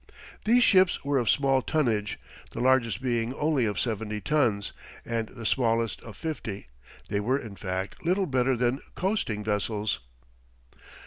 These ships were of small tonnage, the largest being only of seventy tons, and the smallest of fifty; they were in fact, little better than coasting vessels.